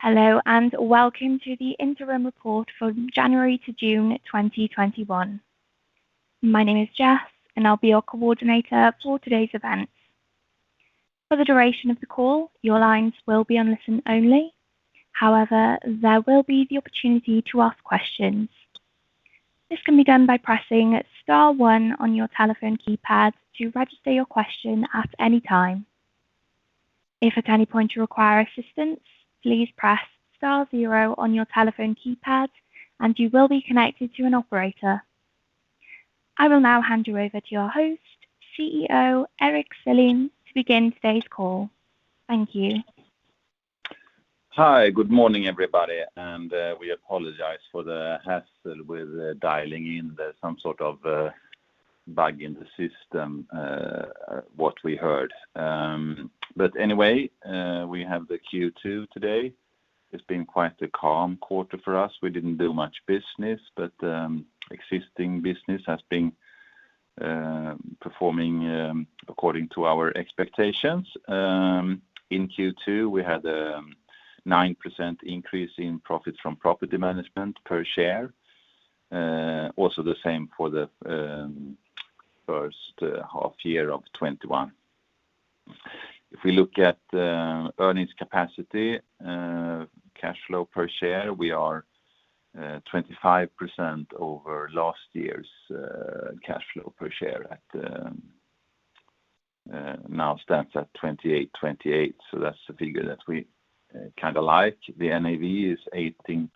Hello, and welcome to the interim report for January to June 2021. My name is Jess, and I'll be your coordinator for today's event. For the duration of the call, your lines will be on listen only. However, there will be the opportunity to ask questions. This can be done by pressing star one on your telephone keypad to register your question at any time. If at any point you require assistance, please press star zero on your telephone keypad and you will be connected to an operator. I will now hand you over to your host, CEO Erik Selin, to begin today's call. Thank you. Hi. Good morning, everybody, and we apologize for the hassle with dialing in. There's some sort of bug in the system, what we heard. Anyway, we have the Q2 today. It's been quite a calm quarter for us. We didn't do much business, but existing business has been performing according to our expectations. In Q2, we had a 9% increase in profit from property management per share. Also the same for the first half year of 2021. If we look at the earnings capacity cash flow per share, we are 25% over last year's cash flow per share. Now stands at 28.28. That's the figure that we kind of like. The NAV is 18%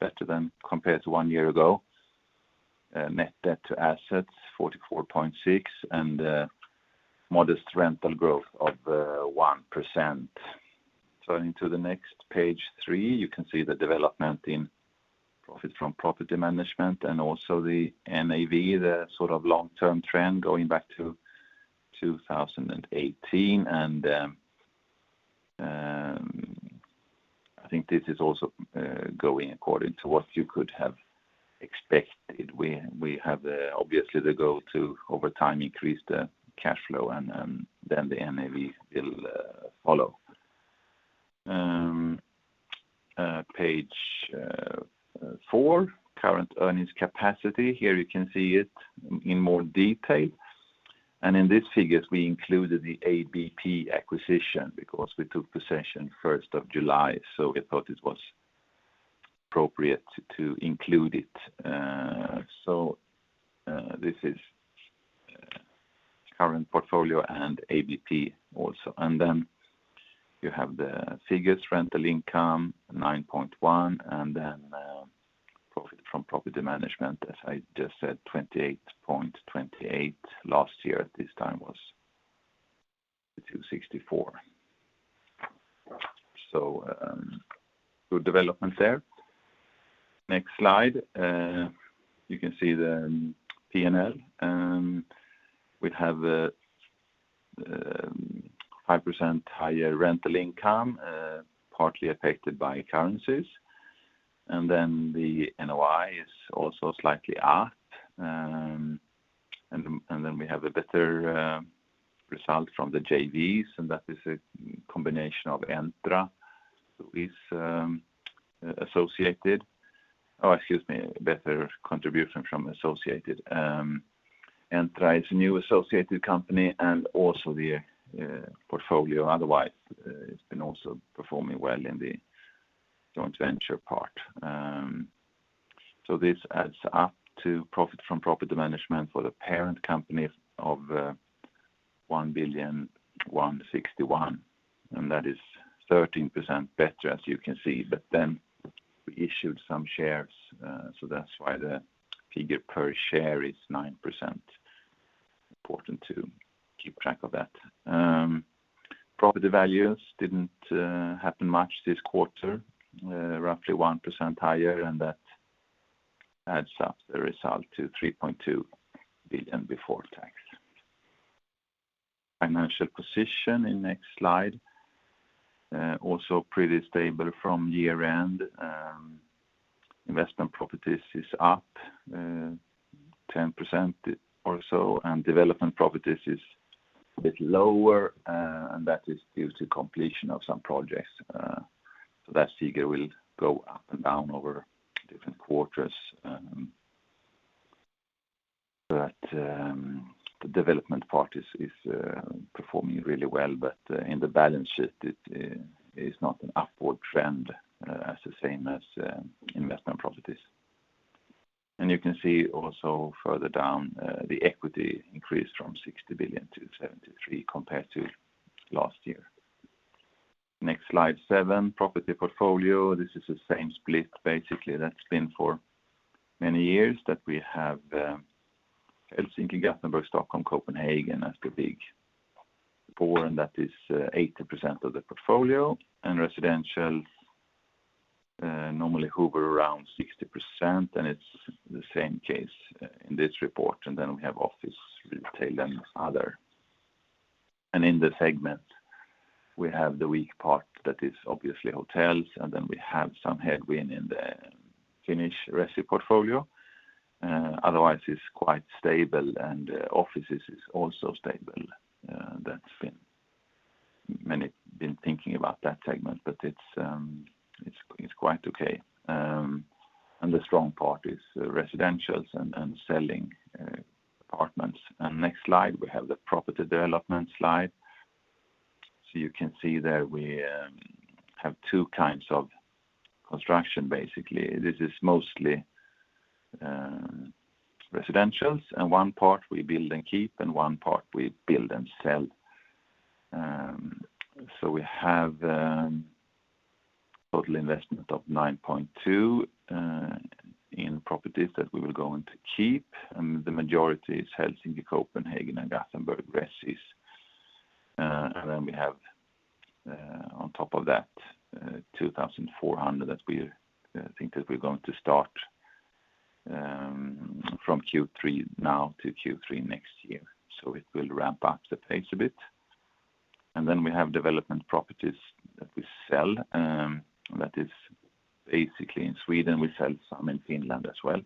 better than compared to one year ago. net debt to assets, 44.6%, and modest rental growth of 1%. Turning to the next page 3, you can see the development in profit from property management and also the NAV, the long-term trend going back to 2018. I think this is also going according to what you could have expected. We have obviously the goal to, over time, increase the cash flow and then the NAV will follow. Page 4, current earnings capacity. Here you can see it in more detail. In these figures, we included the ABP acquisition because we took possession 1st of July, so we thought it was appropriate to include it. This is current portfolio and ABP also. You have the figures rental income, 9.1, and then profit from property management, as I just said, 28.28. Last year at this time was 26.40. Good development there. Next slide. You can see the P&L. We have a 5% higher rental income, partly affected by currencies. The NOI is also slightly up. We have a better result from the JVs, and that is a combination of Entra with Associated. Oh, excuse me, better contribution from Associated. Entra is a new associated company, and also the portfolio. Otherwise, it's been also performing well in the joint venture part. This adds up to profit from property management for the parent company of 1,000,000,161 billion and that is 13% better, as you can see. We issued some shares, so that's why the figure per share is 9%. Important to keep track of that. Property values didn't happen much this quarter. Roughly 1% higher, and that adds up the result to 3.2 billion before tax. Financial position in next slide. Also pretty stable from year-end. Investment properties is up 10% or so, development properties is a bit lower, that is due to completion of some projects. That figure will go up and down over different quarters. The development part is performing really well, in the balance sheet, it is not an upward trend as the same as investment properties. You can see also further down the equity increased from 60 billion to 73 billion compared to last year. Next slide, 7. Property portfolio. This is the same split basically that's been for many years, that we have Helsinki, Gothenburg, Stockholm, Copenhagen as the big 4, that is 80% of the portfolio. Residential normally hover around 60%, it's the same case in this report. We have office, retail, and other. In the segment, we have the weak part that is obviously hotels, then we have some headwind in the Finnish Resi portfolio. Otherwise it's quite stable, offices is also stable. Many been thinking about that segment, it's quite okay. The strong part is residentials and selling apartments. Next slide, we have the property development slide. You can see there we have two kinds of construction, basically. This is mostly residentials one part we build and keep, one part we build and sell. We have total investment of 9.2 in properties that we will go on to keep, the majority is Helsinki, Copenhagen and Gothenburg Resis. We have on top of that 2,400 that we think that we're going to start from Q3 now to Q3 next year. It will ramp up the pace a bit. We have development properties that we sell, that is basically in Sweden. We sell some in Finland as well.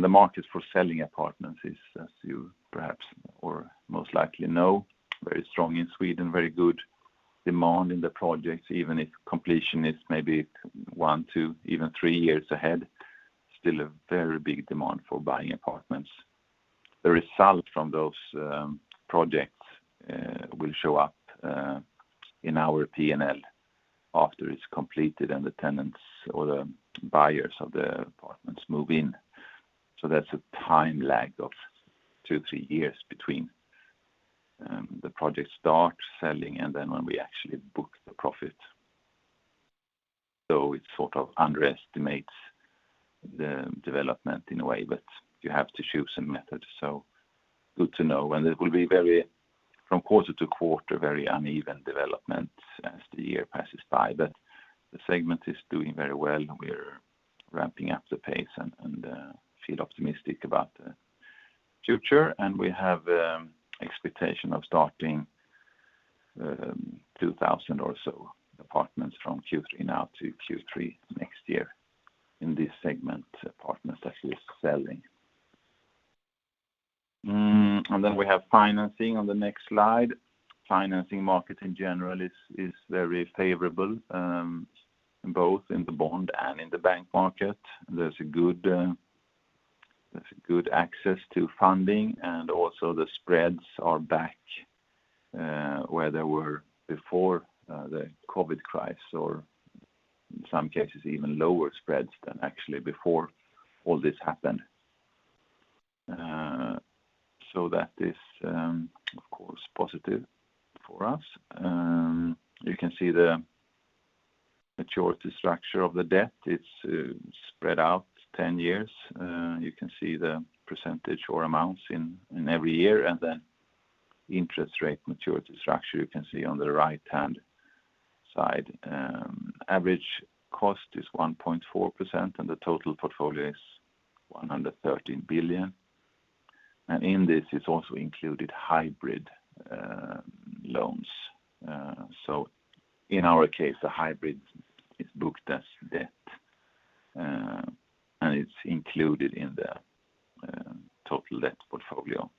The market for selling apartments is, as you perhaps or most likely know, very strong in Sweden, very good demand in the projects, even if completion is maybe 1, 2, even 3 years ahead, still a very big demand for buying apartments. The result from those projects will show up in our P&L after it's completed and the tenants or the buyers of the apartments move in. That's a time lag of 2, 3 years between the project start selling and then when we actually book the profit. It sort of underestimates the development in a way, but you have to choose some methods. Good to know. It will be from quarter-to-quarter, very uneven development as the year passes by. The segment is doing very well. We're ramping up the pace and feel optimistic about the future. We have expectation of starting 2,000 or so apartments from Q3 now to Q3 next year in this segment, apartments actually selling. We have financing on the next slide. Financing market in general is very favorable, both in the bond and in the bank market. There's a good access to funding, and also the spreads are back where they were before the COVID crisis or in some cases even lower spreads than actually before all this happened. That is, of course, positive for us. You can see the maturity structure of the debt. It's spread out 10 years. You can see the percentage or amounts in every year. The interest rate maturity structure, you can see on the right-hand side. Average cost is 1.4%, and the total portfolio is 113 billion. In this, it's also included hybrid loans. In our case, the hybrid is booked as debt, and it's included in the total debt portfolio.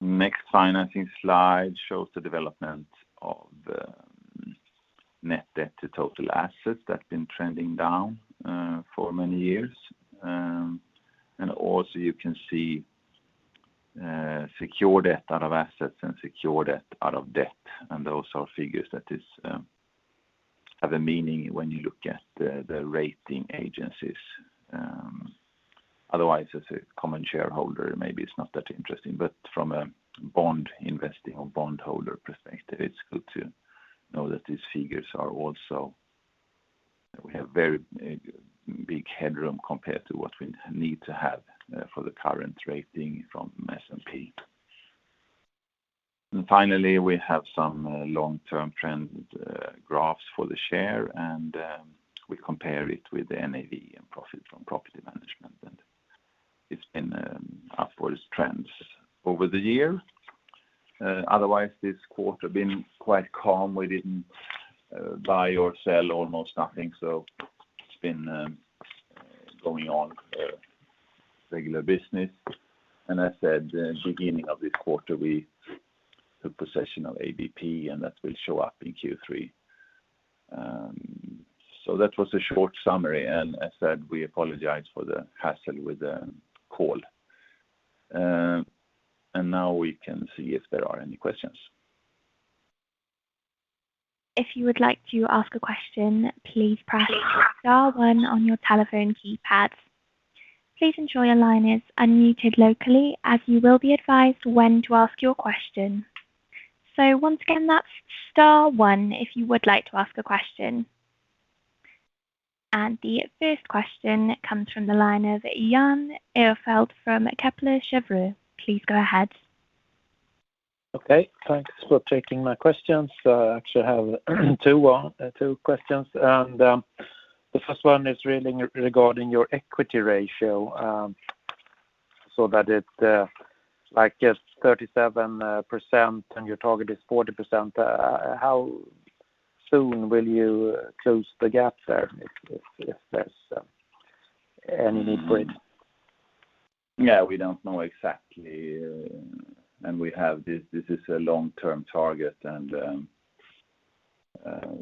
Next financing slide shows the development of net debt to total assets. That's been trending down for many years. Also you can see secure debt out of assets and secure debt out of debt. Those are figures that have a meaning when you look at the rating agencies. Otherwise as a common shareholder, maybe it's not that interesting, but from a bond investing or bondholder perspective, it's good to know that these figures are also. We have very big headroom compared to what we need to have for the current rating from S&P. Finally, we have some long-term trend graphs for the share, and we compare it with the NAV and profit from property management. It's been upwards trends over the year. Otherwise, this quarter been quite calm. We didn't buy or sell almost nothing, so it's been going on regular business. I said beginning of this quarter, we took possession of ABP and that will show up in Q3. That was a short summary, and as said, we apologize for the hassle with the call. Now we can see if there are any questions. If you would like to ask a question, please press star one on your telephone keypad. Please ensure your line is unmuted locally as you will be advised when to ask your question. Once again, that's star one if you would like to ask a question. The first question comes from the line of Jan Ihrfelt from Kepler Cheuvreux. Please go ahead. Okay. Thanks for taking my questions. I actually have 2 questions. The first one is really regarding your equity ratio. So that it gets 37% and your target is 40%. How soon will you close the gap there if there's any need for it? Yeah, we don't know exactly. This is a long-term target.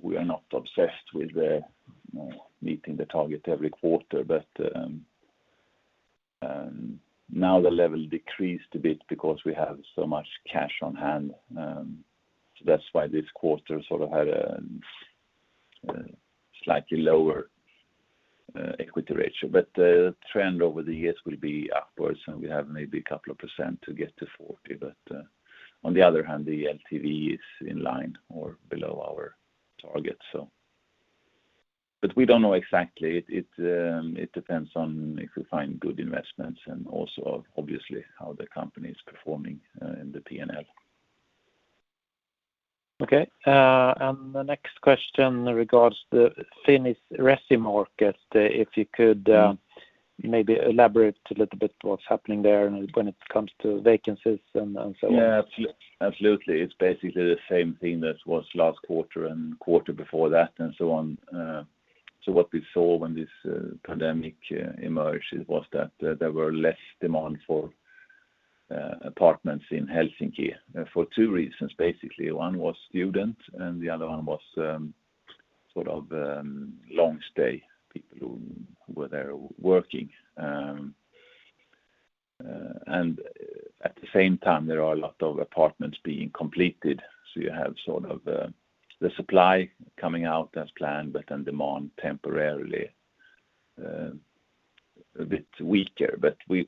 We are not obsessed with meeting the target every quarter. Now the level decreased a bit because we have so much cash on hand. That's why this quarter had a slightly lower equity ratio. The trend over the years will be upwards. We have maybe 2% to get to 40%. On the other hand, the LTV is in line or below our target. We don't know exactly. It depends on if we find good investments and also obviously how the company is performing in the P&L. Okay. The next question regards the Finnish Resi market. If you could maybe elaborate a little bit what's happening there and when it comes to vacancies and so on. Yeah. Absolutely. It's basically the same thing that was last quarter and quarter before that and so on. What we saw when this pandemic emerged was that there were less demand for apartments in Helsinki for two reasons, basically. One was student, and the other one was long stay, people who were there working. At the same time, there are a lot of apartments being completed. You have the supply coming out as planned, but then demand temporarily a bit weaker. We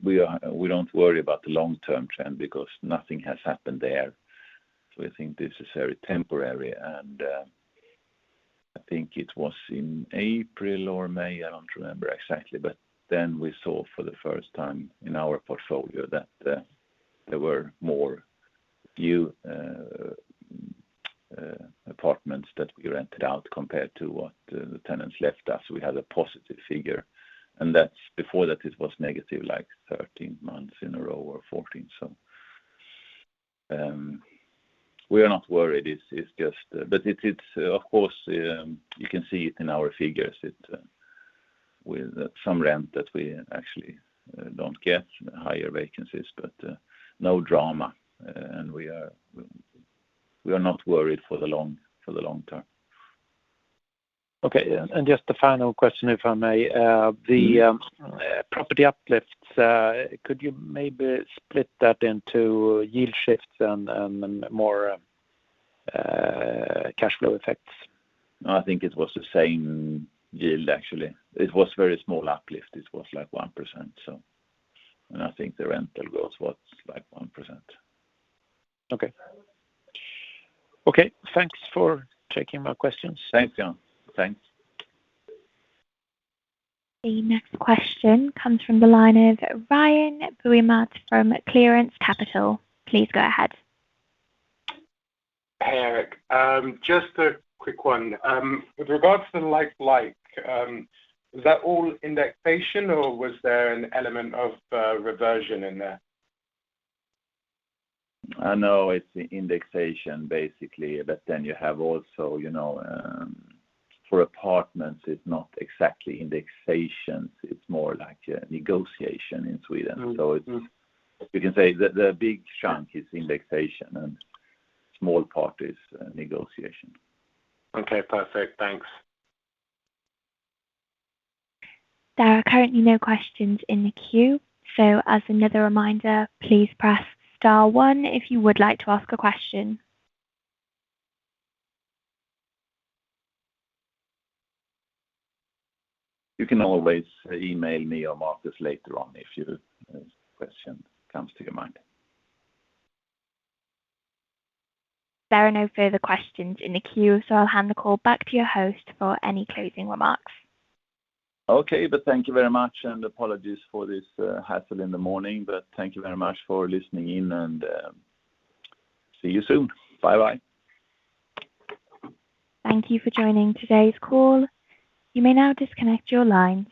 don't worry about the long-term trend because nothing has happened there. We think this is very temporary, and I think it was in April or May, I don't remember exactly, but then we saw for the first time in our portfolio that there were more few apartments that we rented out compared to what the tenants left us. We had a positive figure. Before that, it was negative 13 months in a row or 14. We are not worried. Of course, you can see it in our figures with some rent that we actually don't get, higher vacancies, but no drama. We are not worried for the long term. Okay. Just the final question, if I may. The property uplifts, could you maybe split that into yield shifts and more cash flow effects? I think it was the same yield, actually. It was very small uplift. It was 1%. I think the rental growth was 1%. Okay. Thanks for taking my questions. Thanks, Jan. Thanks. The next question comes from the line of Ryan Bouwmeester from Clearance Capital. Please go ahead. Hey, Erik. Just a quick one. With regards to like-like, was that all indexation or was there an element of reversion in there? No, it's indexation, basically. You have also for apartments, it's not exactly indexation. It's more like a negotiation in Sweden. You can say the big chunk is indexation and small part is negotiation. Okay, perfect. Thanks. There are currently no questions in the queue. As another reminder, please press star one if you would like to ask a question. You can always email me or Marcus later on if a question comes to your mind. There are no further questions in the queue, so I'll hand the call back to your host for any closing remarks. Okay. Thank you very much, and apologies for this hassle in the morning. Thank you very much for listening in, and see you soon. Bye-bye. Thank you for joining today's call. You may now disconnect your lines.